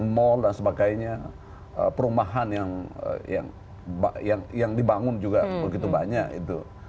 mal dan sebagainya perumahan yang dibangun juga begitu banyak itu